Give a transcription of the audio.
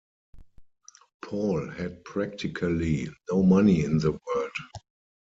Paul had practically no money in the world.